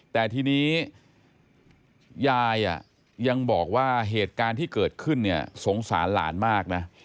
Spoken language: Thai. แต่ทีนี้ยายยังบอกว่าเหตุการณ์ที่เกิดขึ้นเนี่ยสงสารหลานมากนะ